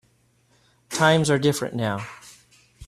Times are different now.